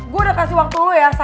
gue udah kasih waktu lu ya